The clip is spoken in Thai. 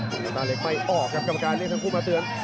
ยาตาเล็กไม่ออกครับกรรมการเรียกทั้งคู่มาเตือน